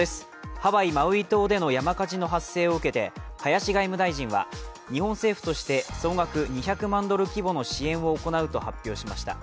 ハワイ・マウイ島での山火事の発生を受けて林外務大臣は日本政府として総額２００万ドル規模の支援を行うと発表しました。